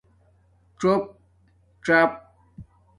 څݸپ چھاپ